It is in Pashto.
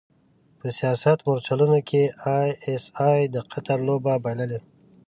په سیاست مورچلونو کې ای ایس ای د قطر لوبه بایللې.